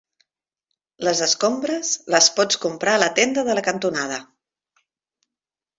Les escombres, les pots comprar a la tenda de la cantonada.